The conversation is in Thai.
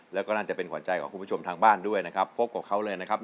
แล้วก็น่าจะเป็นขวัญใจของคุณผู้ชมทางบ้านด้วยนะครับพบกับเขาเลยนะครับ